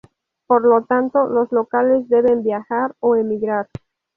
Por lo tanto los locales deben viajar o emigrar.